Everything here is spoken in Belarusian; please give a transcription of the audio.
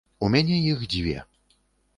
У мяне іх дзве.